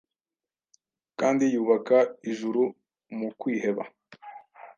Kandi yubaka ijuru mu kwiheba. '